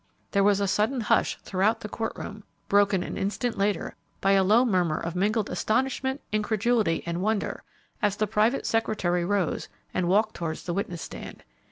There was a sudden hush throughout the court room, broken an instant later by a low murmur of mingled astonishment, incredulity, and wonder as the private secretary rose and walked towards the witness stand.